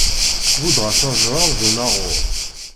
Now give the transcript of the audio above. Buddeɣ-as ajṛad d unaɣur.